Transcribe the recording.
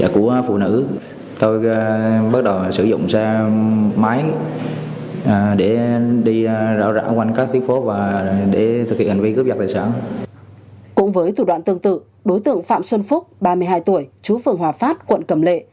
cùng với thủ đoạn tương tự đối tượng phạm xuân phúc ba mươi hai tuổi chú phường hòa phát quận cầm lệ